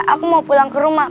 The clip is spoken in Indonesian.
aku mau pulang ke rumah